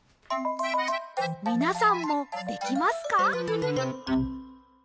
みなさんもできますか？